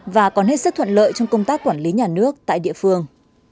và còn hết sức thuận lợi trong công tác quản lý nhà nước tại địa phương